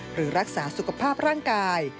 หรือรักษาสุขภาพร่างกาย